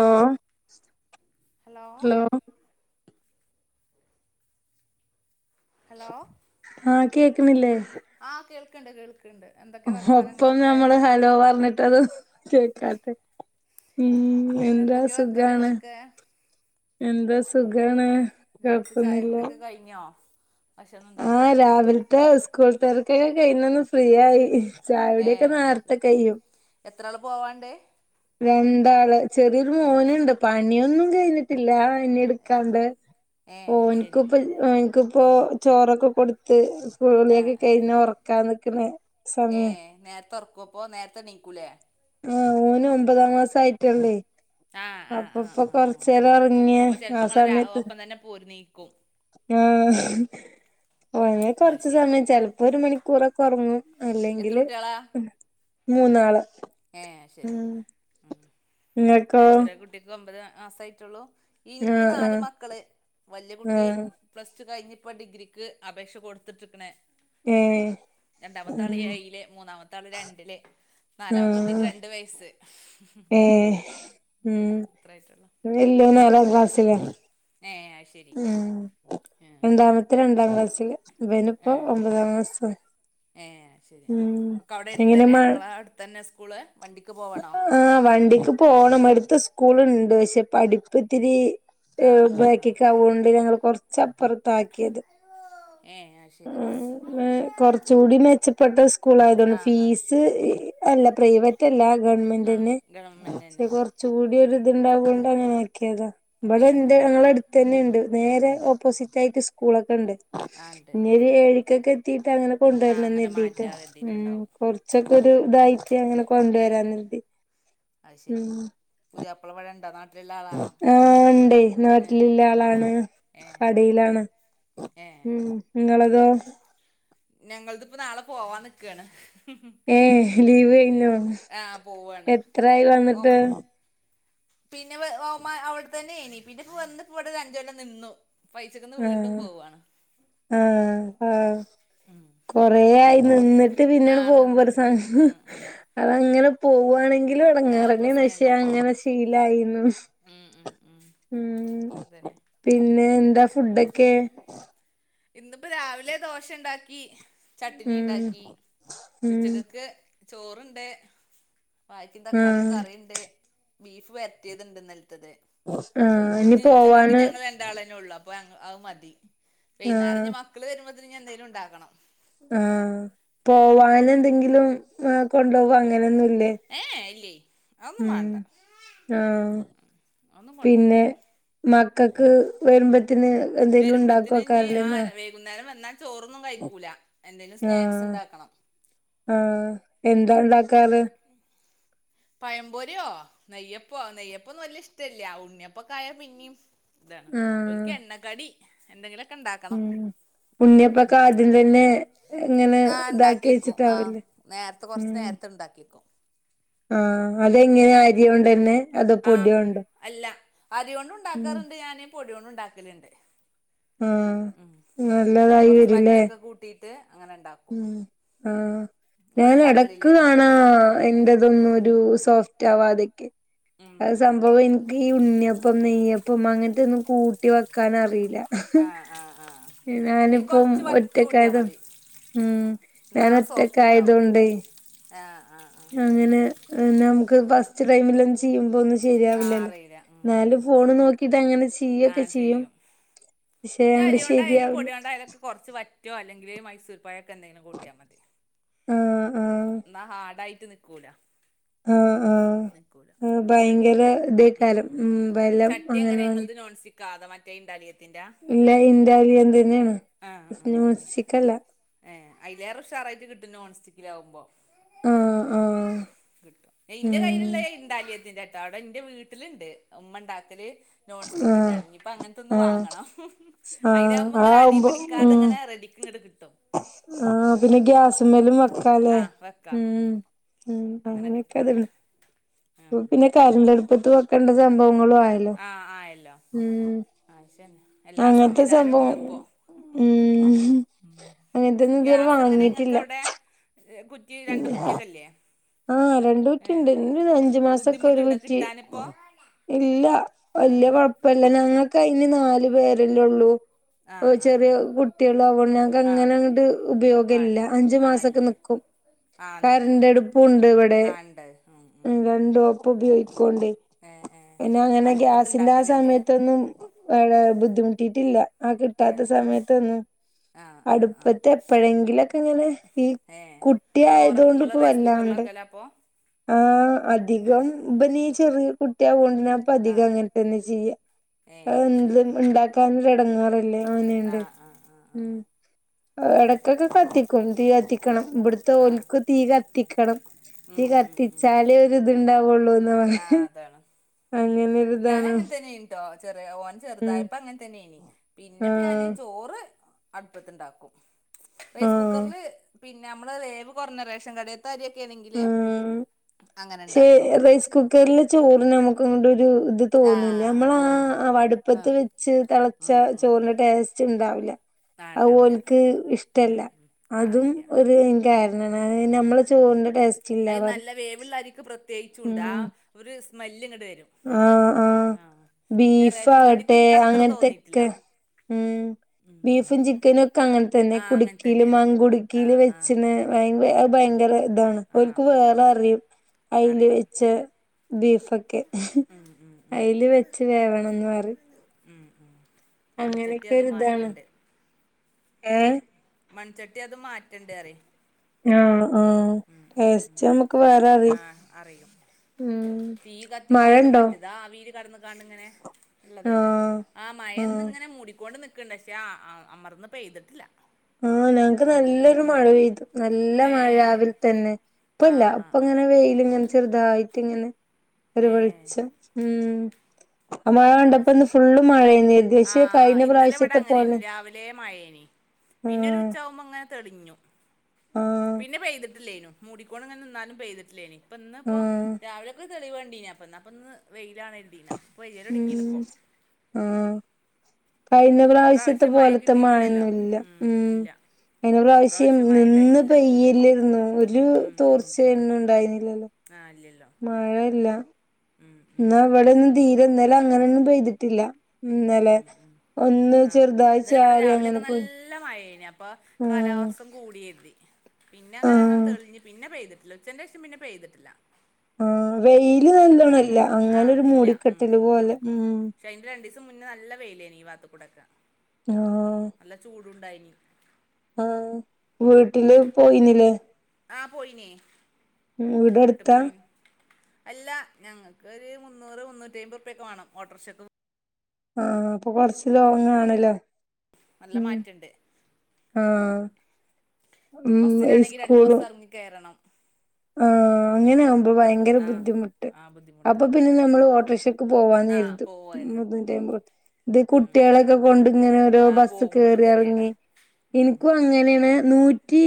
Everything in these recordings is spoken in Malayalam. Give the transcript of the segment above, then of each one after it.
ഓ ഹലോ ഹലോ ഹലോ ആഹ് കേക്ന്നില്ലേ ആഹ് കേൾക്ണ്ട കേൾക് ഒപ്പം ഞമ്മള് ഹലോ പറഞ്ഞിടത് കേക്കാതേ ഉം എന്താ എന്തൊക്കെ സുഖാണ് വർത്താനങ്ങളൊക്കെ എന്താ സുഖാണ് രാവിൽത്തെ ചായ കൊഴപ്പൊന്നില്ല കൊടിയൊക്കെ കഴിഞ്ഞോ ഭക്ഷണം ആഹ് ഉണ്ടാക്കലൊക്കെ കഴിഞ്ഞോ രാവിലത്തെ സ്കൂൾ ത്തർക്കൊക്കെ കഴഞ്ഞ ഒന്ന് ഫ്രീ ആയി ഏ ചാവിടിയൊക്കെ നേർ- ത്തെ ശരി കയും എത്ര ആള് പോവാണ്ട് രണ്ടാള് ചെറിയൊരു ഏ മോനുണ്ട് പണിയൊന്നും കഴിഞ്ഞി ട്ടില്ല ഇനി ഏ ഇടുക്കാണ്ട് ഏ ഓനിക്ക ശരി ഇപ്പ ഓനിക്കിപ്പോ ചോറൊക്കെ കൊടുത്ത് ആ കൂളിയോക്കെ ആ കഴിഞ്ഞ ഉറക്കാ നിൽക്കുന്ന സമയ ഹെ നേരതേ ഒർ കുപ്പോ നേരത്തെ ഏനീക്കൂല്ലേ ആഹ് ഓന് ഒമ്പതാം മാസം ആയിട്ടുള്ളേ ആ ആ ആ ആ ആ അപ്പൊപ്പക്കൊചരോറിങ്ങ അപ്പൊ ചെലപ്പോ ആ ഇങ്ങള് രാ സമയത്ത് ഒപ്പം തന്നെ പോരുന്നീക്കും ഉം ഹ് ഓന് ആ കൊറച്ച് ശരി സമയം ചെലപ്പോ ഒരു മണിക്കൂറൊക്കെ ഒറങ്ങും എത്ര അല്ലെങ്കില് കുട്ടികളാ മൂന്നാള് ഏഹ് ശരി ഉം ഉം ഇങ്ങക്കോ ചെറിയേ കുട്ടിക്ക് ഒമ്പത് മാസ ആയിട്ടോള്ളൂ ഇനിക്ക് ആഹ് നാല് ആഹ് മക്കള് വല്യ കുട്ടി ആഹ് പ്ലസ് ടു കഴിഞ്ഞ് ഇപ്പോ ഡിഗ്രിക്ക് അപേക്ഷ കൊടുത്ത്ട്ട്ക്ക്ണ്. ഏഹ് രണ്ടാമത്തെ ആള് ഉം ഏയില് മൂന്നാമത്തെ ആള് രണ്ടില് നാലാമ ആഹ് രണ്ട് വയസ്സ് ഏഹ് ഉം അത്രായിട്ടുള്ളു ഇന്റെ വെല്യോൻ നാലാ ക്ലാസ്സ്ലാ ഏഹ് അഹ്ശരി രണ്ടാമത്തെ രണ്ടാം ക്ലാസ്സ്ല് ഇവന് പ്പോ ഒമ്പതാം ക്ലാസ്സ് ഏഹ് ശരി ഒക്ക അവിടെ എങ്ങനെ എടുത്തന്നെ മഴ നിങ്ങള അടുത്തന്നേ? സ്കൂള് വണ്ടിക്ക് പോവണോ? ആഹ് വണ്ടിക്ക് പോണം അടുത്ത് സ്കൂളുണ്ട് പക്ഷേ പഠിപ്പ്ത്തിരി ആ ആ ആ ബാക്കിക്കായോണ്ട് ഞങ്ങള് കൊറച്ചപ്പറത്ത് ആക്കിയത്. ഏഹ് അ ഉം കൊറചൂടി മെച്ചപ്പെട്ട സ്കൂൾ ആയതോണ്ട് ആ ആ ഫീസ് അല്ല പ്രൈവറ്റ് അല്ല ആ ഗവൺമെന്റന് ഗവൺമെന്റ് പക്ഷേ തന്നെ കെ ചൂടൊരി ഇത്ണ്ടാവോണ്ട് അങ്ങനെ ആക്കിയതാ ഇവിടെ ഏ ഇണ്ട് ഞങ്ങളെ അട് തന്നെണ്ട് നേരെ ഓപ്പോസിറ്റ് ആയിട്ട് സ്കൂളൊക്കെണ്ട്. ആ ഇണ്ട് ഏഴൊണിക്കക്കെ എത്തിട്ട് അങ്ങനെ അങ്ങനെ കൊണ്ടുവരണന്നര്തിട്ട് മാറ്റാ ഉം കരുതിയിട്ടുണ്ടാവും കൊ ച്ചക്ക ഒരുതായിട്ട് അങ്ങനെ ഏഹ് കൊണ്ടുവരാന്നര്തി. ഉം പുതിയാപ്ള ഇവടണ്ടോ ന ആഹ് ഇണ്ടേ ഏഹ് നാട്ടിലുള്ള ആളാണ് ഏഹ് അത് ശരി കടയിലാണ്. ഏഹ് ഇങ്ങളതോ? ഞങ്ങള്ത്പ്പോനാളെ പോവാൻ നിക്കാണ്. ഏഹ് ലീവ് കഴിഞ്ഞോ ആഹ് പോവാണ് എത്രായി ഓ വന്നിട്ട് പിന്നെ ഓമാ അവിടെ തന്നെ ഏനി പിന്നെ വന്ന്പ്പോ ഇവിടെ അഞ്ച് കെ ല്ലം നിന്നു. ഇപ്പ അയ്ച്ചക്കന്ന് വീണ്ടും ആഹ് പോവാണ്. ആഹ് ആഹ് കൊറ ആയി നിന്നിട്ട് പിന്ന ആണ്ട് ആഹ് പോകുമ്പോ ഒരു നിന്നിട്ട് സം ഉം ഉം അതങ്ങനെ പോവാണെങ്കിലും ആഹ് എടങ്ങാറന്നെ പക്ഷേ പ്രശ്നല്ല ഉം അങ്ങനെ ശീലായിന്നു. ഉം ഉം ഉം ഉം അതന്നെ പിന്നെ എന്താ ഫുഡൊക്കെ? ഇന്നിപ്പോ രാവിലെ ദോശണ്ടാക്കി ഉം ചട്നിണ്ടാക്കി. ഉം ഉച്ചക്കക്ക് ചോറ്ണ്ട് വായിക്കിം തക്കാളി ആഹ് കറിണ്ട്. ബീഫ് വരറ്റിയത്ണ്ട് ഇന്നലത്തത് ആഹ് [unintelligible] ഇനി ഉച്ചകക്ക് പോവാന് ഞങ്ങൾ രണ്ടാളേനേള്ളൂ അ പ്പ അത് മതി വൈന്നേര ആഹ് ഇഞ്ഞ് മക്കള് വരുമ്പോത്തനെന്തേങ്കലും ഉണ്ടാക്കണം. ആഹ് പോവാനന്തെങ്കിലും കൊണ്ടുവോ അങ്ങനെയൊന്നുല്ലേ? ഏഹ് ഇല്ലേയ് അതന്നും വേണ്ട ആഹ് ഒന്നും കൊണ്ടോണില്ല. മക്കൾക്ക് വരുമ്പോത്തിന് എന്തേലും ഉണ്ടാക്കക്കാറില്ലേ ന്നാ? കുന്നേരം വന്നാ ചോറൊന്നും കഴിക്കൂല എന്തെലും ആഹ് സ്നാക്സ്ണ്ടാക്കണം. ആഹ് എന്താണ്ടാക്കാറ്? പഴം പെരിയോ നെയ്യപ്പോ നെയ്യപ്പന്നും വല്ല്യ ഇഷ്ടല്ല. ഉണ്ണിയപ്പൊക്കായ പിന്നിം ഇതാണ് ആഹ് ഒ ാല്ക്ക് എണ്ണക്കടി എന്തെങ്കിലക്കെണ്ടാക്കണം. ഉണ്യപ്പക്കെ ആദ്യം തന്നെ ഇങ്ങനെ ആ ഇതാക്കി ഉണ്ടാക്കി വെക്കും ആ വെച്ചിട്ടാവില്ലേ? നേരത്തെ കുറച്ച് ഉം നേരത്തെ ഉണ്ടാക്കിക്കും. ആഹ് അതെങ്ങനെ അരിയോണ്ടന്നെ അതോ ആ പൊടിയോണ്ടോ? അല്ല അരിയോണ്ടും ഉം ഉണ്ടാക്കാറുണ്ട് ഞാന് പൊടിയൊണ്ട് ഉണ്ടാക്കലുണ്ട്. ആഹ് ഉം നല്ലതായി കൊറച്ച് വരൂല്ലേ? വറ്റൊക്കെ കൂട്ടിട്ട് അങ്ങനെണ്ടാ ഉം ആഹ് ഞാനും എടക്ക് ഉണ്ടാക്കലില്ലേ കാ ണാ ഇന്റതൊന്നും ഒരു സോഫ്റ്റ് ആവാതൊക്കെ. ഉം അത് ഉം സംഭവം ഇൻ ക്ക് ഈ ഉണ്ണിയപ്പം നെയ്യപ്പം അങ്ങനത്തെന്നും കൂട്ടി വെക്കാനറീല്ല. ആ ആ ആ അതിന് ഞാനിപ്പം കുറച്ച് വറ്റ് കൂട്ടിയാൽ ഒറ്റക്കായതാ മതി ഉം ഞാൻ ഒറ്റക്കായതോണ്ടേ. ആഹ് ആഹ് ആഹ്. അങ്ങനെ നമുക്ക് ഫസ്റ്റ് ടൈമിലൊന്നും ചെയ്യുമ്പോ ഒന്നും ആ ശരിയാവില്ലല്ലോ. അറിയില്ല ന്നാലും ഫോണ് നോക്കിട്ട് അങ്ങനെ ചെ ആഹ് ചെയ്യും. ഇഞ് അങ്ങട് അര്യോണ്ടായാലും ശരിയാവില്ല പൊട്യോണ്ടായാലൊക് കൊർച്ച് വറ്റോ അല്ലെങ്കിൽ മൈസൂർ പഴൊക്കെന്തെങ്കിലും കൂട്ടിയാ മതി. ആഹ് ആഹ് ഇന്നാ ഹാർഡായിട്ട് നിക്കൂല. ആഹ് ആഹ്. അഹ് ഭയങ്കര ഇതേകാലം ഉം ബലം അങ്ങനെ വന്ന് ക്കാതെ മറ്റേ ഇണ്ടാലിയ ഇല്ല ഇന്റാലിയം തന്നെണ് ആഹ് ആഹ് സ്‌നോസ്ച്ചിക്കല്ല. ഏഹ് അയ്ലേറെ ഉഷാറായിട്ട് കിട്ടും നോൺ സ്റ്റിക്കിലാവുമ്പം. ആഹ് ആഹ് കിട്ടും. എഹ് ഇന്റെ ഉം കയ്യില്ള്ളത് ഇണ്ടാലിയത്തിന്റെ ട്ടാ. അവടെ ഇന്റെ വീട്ടില്ണ്ട് ഉമ്മണ്ടാക്കല്. നോൺ സ്റ്റിക്കിൻ്റെ ആഹ് ആണ്. ഇഞ് ഇപ്പ അങ്ങൻത്തൊന്ന് ആഹ് വാങ്ങണം. ആഹ് അയ്ലാവുമ്പങ്ങനെ അടീ ആവുമ്പോ ഉം പിടിക്കാതെങ്ങനെ റെഡിക്ക് ഇങ്ങട്ട് കിട്ടും. ആഹ് പിന്നെ ഉം കിട്ടും ഗ്യാസ്മ്മലും വെക്കാലേ. ആഹ് വെക്കാം ഉം ഉം അങ്ങനെ അങ്ങനെയൊക്കെ കിട്ടും അത്ണ്, അപ്പ ആഹ് പിന്നെ കറന്റ് അടുപ്പത്ത് വെക്കണ്ടെ സംഭവങ്ങളും ആയ ആഹ് ആയല്ലോ. ആവശ്യെന്നെ. എല്ലാ അങ്ങനത്തെ സംവിധാനും സംഭവം ഇണ്ട്പ്പൊ. ഉം ഉം അങ്ങനത്തൊന്നും ഇതുവരെ ഗ്യാസ് എങ്ങനെ ഇങ്ങക്ക് വാങ്ങിട്ടില്ല അവ്ടെ, കുറ്റി രണ്ട് കുറ്റിയൊക്കെല്ലേ? ആഹ് രണ്ട് കുറ്റിണ്ട്. ഇൻ്റത് അഞ്ചു മാസൊക്കെ ഒരു ബുദ്ധിമുട്ടുണ്ടോ കുറ്റി കിട്ടാനിപ്പോ ഇല്ല ആഹ് വല്യ കൊഴപ്പല്ല ഞങ്ങക്കയന് നാല് പേരെല്ലൊള്ളൂ. ആഹ് ഓഹ് ആഹ് ചെറിയ ആഹ് കുട്ടികളാവോണ്ട് ഞങ്ങക്ക് ആഹ് അങ്ങനെങ്ങട്ട് ഉപയോഗല്ല. വേണ്ട അഞ്ചു ആഹ് മാസൊക്കെ ഇല്ല നിക്കും. ആഹ് നിക്കും. പ്പും ണ്ട് ഇവടെ. ആഹ് ഉണ്ട് ഉം ഉം ഉം രണ്ടും ഒപ്പം ഉപയോഗിക്കോണ്ടേ. ഏഹ് ഏഹ് പിന്നെ അങ്ങനെ ഗ്യാസിന്റെ ആ അടുപ്പത്തുണ്ടാക്കലില്ലേ സമയത്തൊന്നും വടെ ബുദ്ധിമുട്ടീട്ടില്ല. ആ കിട്ടാത്ത ഏഹ് സമയത്തൊന്നും. ആഹ് ആഹ് ആഹ് അടുപ്പത്ത് എപ്പഴെങ്കിലൊക്കെ ങ്ങനെ ഈ കുട്ടിയായതോണ്ട് ഇപ്പ വ കുക്കർല് വെക്കലാ അപ്പൊ? ആഹ് അധികം. ഇബനീ ചെറിയ കുട്ടിയാവൊണ്ട് ഞാൻ പ്പം അധികം ആഹ് അങ്ങനെ തന്നെ ചെയ്യാ. ഏഹ് അത് ശരി അഹെന്തും ഇണ്ടാക്കാന് ഒരു എടേങ്ങേറല്ലെ ഓനിം കൊണ്ട് ആഹ് ആഹ് ആഹ് ഉം. ആഹ് അത് ശരി എടക്കൊക്കെ കത്തിക്കും തീ കത്തിക്കണം ഇവട്ത്തെ ആഹ് ഓല്ക്ക് തീ കത്തിക്കണം. തീ ഉം ഉം ഉം കത്തിച്ചാലേ ഒരു ഇത്ണ്ടാവുള്ളൂ. ആഹ് അതാണ്. അങ്ങനൊര് ഞാൻ അങ്ങൻ തന്നേനി ട്ടോ. ചെറിയ ഓൻ ഉം ചെറുതായപ്പ അങ്ങനെ തന്നേനി. പിന്നെ പ്പം ഞാന് ആഹ് ചോറ് അടുപ്പത്ത് ണ്ടാക്കും. റൈസ് ആഹ് കുക്കർല് പിന്നെ നമ്മളെ വേവ് കൊർഞ്ഞെ റേഷൻ കടേ ത്തെ അരിയെക്കേണെങ്കില് ആഹ്. അങ്ങനെ പക്ഷെ ണ്ടാക്കും. റൈസ് കുക്കറിലെ ചോറ് നമുക്ക് ഇങ്ങട്ടൊരു അത് തോന്നൂലൃ ആഹ് നമ്മളാ തോന്നൂല അടുപ്പത്ത് ആഹ് വെച്ച് തെളച്ച ഉം ഉം ചോറിന്റെ ടേസ് ച്ചിണ്ടാവില്ല ആഹ് ഉണ്ടാവൂല അതോൽക്ക് ഇഷ്ടല്ല ഉം ഉം ആഹ് അതും ഇല്ല ഒരു ഇങ്കാ പിന്ന ഞമ്മള് ചോറ്ന്റെ അയ് നല്ല വേവുള്ള അരിക്ക് പ്രത്യേകിച്ചുണ്ടാ ഉം ഒരു സ്മെല്ല് ഇങ്ങട്ട് വെരും ആഹ് ആഹ് റേഷൻ കടേത്തെ ബീഫാകട്ടെ എനിക്ക് അത്ര അങ്ങനത്തക്കെ തോന്നിയിട്ടില്ല ഉം ബീഫും ചിക്കനൊക്കെ അങ്ങൻ തന്നെ ആഹ് അങ്ങനെ കുടുക്കിയില് തന്നെയാണ് മങ്കുടുക്കീല് ആഹ് ആഹ് വെച്ച്ന് ഉം അത്‌ ഉം ഭയങ്കര ഇതാണ് ആഹ് ഓല്ക്ക് വേറെ അതാണ് അറിയും അയില് അറിയും വെച്ച ബീഫെ അയില് വെച്ച് വേവണംന്ന് പറയും ഉം ഉം അങ്ങനേക്കൊരു ഇതാണ് ഏഹ് മൺചട്ടി അത് മാറ്റണ്ടേ പറയും ആഹ് ആഹ് ഉം ഉം ടേസ്റ്റ് ഉം നമുക്ക് വേറെ അറിയും ആഹ് അറിയും ഉം തീ കത്തിക്കാണ്ടും മഴണ്ടോ മറ്റേത് ആവീലും കടന്ന്ങ്ങാണ്ട് ഇങ്ങനെ ഉള്ളതല്ലേ ആഹ് ആ ആഹ് മഴേന്ന്ങ്ങനെ മൂടിക്കോണ്ട് നിക്ക് ക്ക്ണ്ട് പക്ഷേ ആ അമർന്ന് പെയ്തട്ടില്ല ആഹ് ഞങ്ങക്ക് നല്ലൊരു മഴ പെയ്തു നല്ല മഴ ഏഹ് രാവിലെ തന്നെ ഇപ്പല്ല ആഹ് ആഹ് ആഹ് ഇപ്പിങ്ങനെ വെയില് ഇങ്ങന ചെറുതായിട്ട് ഇങ്ങനെ ഒരു ഏഹ് വെളിച്ചം ഉം ആ മഴ അത് കണ്ടപ്പോ ഇന്ന് ശരി ഫുള്ള് മഴയന്നാ കര്തിവെച്ച് ആഹ് ആഹ് കഴിഞ്ഞ ഇന്നലെ പ്രാവിശ്യത്തെ പോലെ പിന്നൊരു ആഹ് ഉച്ച ആവുംമ്പോ ഇങ്ങനെ തെളിഞ്ഞു ആഹ് പിന്ന പെയ്ത് ട്ടില്ലേനു മൂടികൊണ്ടിങ്ങന നിന്നാലും പെയ്തട്ടില്ലേനി ഇപ്പ ഇന്ന് ഇപ്പോ ആഹ് രാവിലെ ക്ക് തെളിവണ്ടീന പ്പിന്നാ പ്പിന്ന് വെയിലാണര്തീന പ്പ യെ ഉം ആഹ് കഴിഞ്ഞ പ്രാവശ്യത്തെ ഇപ്രാവശ്യം മഴ പോൽത്തെ കിട്ടിയിട്ടില്ലല്ലോ മഴയൊന്നുല്ല ഉം ഇല്ല കഴിഞ്ഞ പ്രാവശ്യം ഇപ്രാവശ്യം മഴ നിന്ന് ഉണ്ടായിട്ടില്ല പെയ്യല്ലേര്ന്നോ ഒരു തോർച്ചെന്നുണ്ടായിന്നില്ലല്ലോ ആഹ് ഇല്ലല്ലോ മഴയില്ല ഉം എന്നാ ഇവ്ടൊന്നും തീരെ ഇന്നല അങ്ങനൊന്നും പെയ്തട്ടില്ല ഇന്നലെ ഒന്ന് ആ ചെറുതായി ഇന്നലെ ഇവിടെ ചാറി അങ്ങനെ രാവിലെയൊക്കെ പോയി നല്ല മഴയേന് അപ്പൊ ആഹ് കാലാവസ്ഥം കൂടിയര്തി പിന്നങ്ങനെ അങ്ങനെ ആഹ് തെളിഞ്ഞ് പിന്നെ പെയ്തട്ടില്ല ഉച്ചേന്റേഷം പിന്നെ പെയ്തട്ടില്ല ആ വെയില് നല്ലോണില്ല ആ അങ്ങനൊരു മൂടിക്കെട്ടല് പോലെ ഉം അയിന്റെ രണ്ടീസം മുന്നേ നല്ല വെയിലാണീ ഭാഗത്തുക്കൂടക്ക ആഹ് നല്ല ചൂടുണ്ടായിന് ആഹ് വീട്ടില് പോയിന്നിലേ? ആഹ് പോയിന് വീട് വിട്ട് അടുത്താ പോയിനു അല്ല ഞങ്ങക്കൊര് മുന്നൂറ് മുന്നൂറ്റിയ്മ്പത് റുപ്പൃക്കെ വേണം ഓട്ടോറ്ക്ഷക്ക് ആഹ് അപ്പൊ കൊറച്ച് ലോങ്ങാ‌ണല്ലോ നല്ല മാറ്റെണ്ട് ആഹ് ഉം ഈ ബസ്സിനാണെങ്കി രണ്ട് സ്കൂളും ബസ്സെറങ്ങി കേറണം. ആഹ് അങ്ങനെ ആവുമ്പോ ഭയങ്കര ബുദ്ധിമുട്ട് ആ ബുദ്ധിമുട്ടാ അപ്പൊ പിന്നെ നമ്മള് ഓട്ടോറ്ക്ഷ ക്ക് ആ പോവാന്നെരുതും. പോവായിരുന്നു ഉം. ത് കുട്ട്യാളെക്കെ ക്കൊണ്ട്ങ്ങനെ ഓരോ ആ ബസ്സ് പോകുമ്പോൾ കേറി ഗതിയേടാ എർങ്ങി ഇൻക്കും അ ഇങ്ങനേണ് നൂറ്റി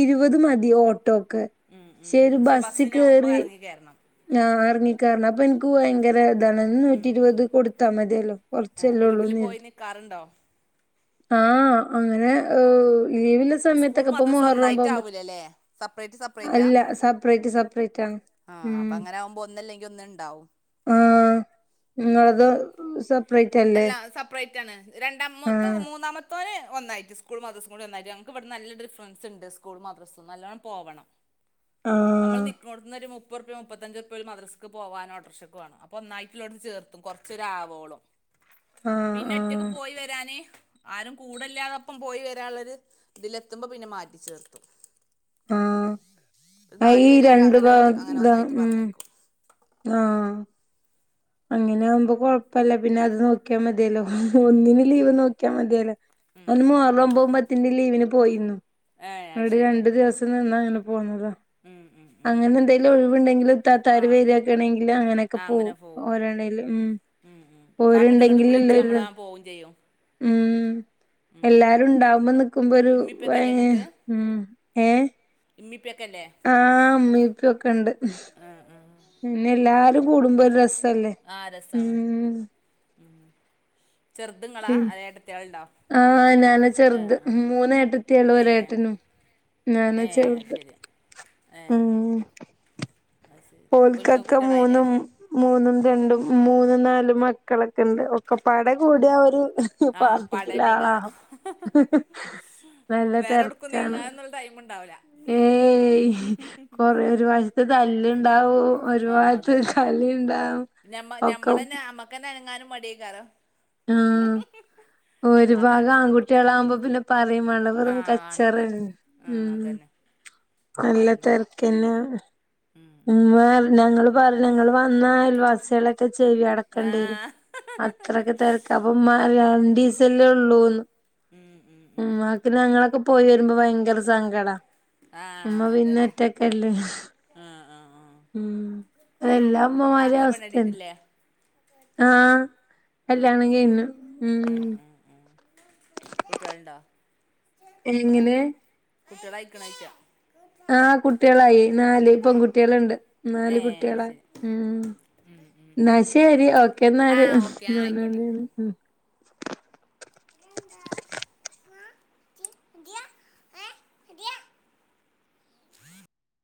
ഇരുവത് മതി ഓട്ടോക്ക് ഉം ഉം പക്ഷെ ഉം പക്ഷേ ബസ്സിനാവുമ്പോ എറങ്ങിക്കേറണം ആഹ് എർങ്ങിക്കേറണം അപ്പ എനിക്ക് ഭയങ്കര താണ് നൂറ്റിര് വത് കൊടുത്താ മതിയല്ലോ കൊറച്ചെല്ലൊള്ളൂ വീട്ടിൽ പോയി ന്നെര്തും നിൽക്കാറുണ്ടോ ആഹ് അങ്ങനെ ഏ് ലീവില് സ്കൂൾ സമയത്തൊക്കെ ഇപ്പൊ മദ്രസ മൊഹർറൊമ്പൊഉം പത്തു ഒന്നായിട്ടാവൂലല്ലേ സെപ്പറേറ്റ് അല്ല സപ്പറേറ്റ് സെപ്പറേറ്റ് ആണ് ആഹ് അപ്പ ഉം അങ്ങനാവുമ്പോ ഒന്നല്ലെങ്കി ഒന്ന്ണ്ടാവും ഉം ഉം സപ്റേറ്റായ് അല്ല സപ്പ്റേറ്റാണ് രണ്ടാമ ആഹ് മൊത്തം മൂന്നാമത് ത്തോന് ഒന്നായിറ്റ് സ്കൂൾ മദ്റസെം കൂടി ഒന്നായ്റ്റ് നങ്ങക്ക് ഇവട്ന്ന് നല്ല ട്ട് ഡിഫ്റൻസ്ണ്ട് സ്കൂൾ മദ്റസ്ന്ന് നല്ലോണം പോവണം [inaudible] നമ്മള് ആഹ് നിക്ക്ണോട്ത്ത്ന്നൊരു മു പ്പൊറുപ്യ മുപ്പത്തഞ്ച്റുപ്യ ഓല് മദ്രസക്ക് പോവാനോട്ടർഷക്ക് വാണം അപ്പൊന്നായിട്ടുള്ളോട്ത്ത് ചേർത്തും കൊറച്ചൊരാവോളം ആഹ് പിന്നെ ഒറ്റക്ക് ആഹ് പോയി വരാന് ആരും കൂടല്ലാതെപ്പം പോയി വരാള്ളെര് ഇതിലെത്തുമ്പോ പിന്നെ മാറ്റി ചേർത്തും ആഹ് ഒരു ആ നാലു ഈ രണ്ട് വരേക്കങ്ങനെ ഒറ്റ് അങ്ങനെ ഭാഗ ഒന്നായിറ്റ് ഉം പറഞ്ഞയക്കും ആഹ് അങ്ങനേവുമ്പോ കൊഴപ്പല്ല പിന്നെ അത് നോ ക്കിയാ മതേല്ലോ ഉം ഉം ഒന്നിന് ലീവ് ഉം നോക്കിയാ മതിയല്ലോ ഉം അന്ന് ഉം ഉം മൊഹറൊമ്പൊം പത് ത്തിന്റെ ലീവിന് പോയിന്നു ഏ അത് ന്ന്ട്ട് ശരി രണ്ടു ദിവസം നിന്നാ അങ്ങനെ പോന്നതാ ഉം ഉം ഉം ഉം. അങ്ങനെന്തേലും ഒഴിവ്ണ്ടെങ്കില് ആ ഇത്താത്താര് വരാക്കാണെങ്കില് അങ്ങനെക്കെ ആ, പോവും അങ്ങനെ ണ്ടേല് ഉം ഉം ഉം. അപ്പൊ അങ്ങോട്ടും ഇങ്ങോട്ടും വിളിച്ച് ഓര്ണ്ടെങ്കിലല്ലേത് നമ്മൾ ആ പോവും ചെയ്യും ഉം എല്ലാരുണ്ടാവുമ്പോ ന്ക്കുമ്പാെരു ഇമ്മിപ്പൊക്കെ അല്ലേ ഏ്ഹ് ഉം ഏഹ് ഇമ്മീം ഇപ്പെക്കല്ലേ ആഹ് ഉമ്മീം ഇപ്പെക്കെണ്ട് ആഹ് ആഹ് പിന്നെല്ലാരും കൂടുമ്പൊരു രസല്ലേ ആ രസാണ് ഉം ഉം ചെർത് ഇങ്ങളാ ഉം അതാ ഏട്ടത്ത്യാള്ണ്ടാ ആഹ് ഞാനാ ചെർത് മൂന്നേഏട്ടത്ത്യാള് ഏ ഒരു ഏട്ടനും ഞാനാ ചെർത് ഏഹ് അഅ്ശരി ഇൻക്കാെക്കെ മൂന്നും മൂന്നും രണ്ടും മൂന്നും നാലും മക്കളൊക്കെ ഉണ്ട് ഒക്കെ പാടെ കൂട്യാ ഒരു ആ പാർട്ടിക്കില്ല പടന്നെ കാല ആളാകും നല്ല വേറെ എടുക്കും തെര്ക്കാണ് നീങ്ങാനൊന്നുള്ള ടൈം ഉണ്ടാവില്ല ഏയ് കൊറേ ഒരു ഭാഗത്ത് തല്ല് ഇണ്ടാവും ഒരു ആ ബാഗ്ത്ത് അതന്നെ കളി ഇണ്ടാവും ഞമ്മ ഞമ്മളന്നെ നമ്മക്കന്നെ അനങ്ങാനും മടിയേക്കാരം ആഹ് അതാണ് കുട്ട്യാളാകുമ്പോ പിന്നെ പറിം മാണ്ട ആ വെറും ഉണ്ടല്ലോ കച്ചറന്നെ ആ ഉം അതന്നെ നല്ല അതന്നെ തെര്ക്കന്നെ ഉം വേഞങ്ങള് പറ ഞങ്ങള് വന്നാ അയൽവാസാളെക്കെ ചെവി അട ആ കണ്ടേരും അത്രക്കെ തെര്ക്കാ അപ്പ ഇമ്മാറേ ഉം രണ്ടീസല്ലേ ഉള്ളൂന്ന് ഉം ഉം ഉം ഇമ്മാക്ക് ഞങ്ങളൊക്കെ പോയി വരുമ്പോ ഭയങ്കര സങ്കടാ ആ അമ്മ പിന്ന അതന്നെ ഒറ്റക്കല്ലേ [unintelligible] ആ ആ ആ ഉം അതെല്ലാ അമ്മമാരു ആങ്ങളെ അവസ്ഥയന്ന പെണ്ണട്ടിട്ടില്ലേ ആഹ് ആ കല്യാണം ആ കഴിഞ് ആ ഉം [unintelligible] എങ്ങനെ കുട്ട്യാള് ആയിക്കണയ്ക്കാ ആഹ് കുട്ടികളായി നാല് പെൺകുട്ടികളുണ്ട് ഏ നാല് കുട്ടികളായി ശരി ഉം എന്നാ ശരി ആ ഓക്കെന്നാല് ഓക്കെ ആ ഉം ആയിക്കോട്ടെ ഉം [unintelligible] [unintelligible]